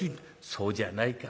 「そうじゃないか。